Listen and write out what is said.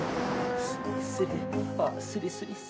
スリスリああスリスリスリ。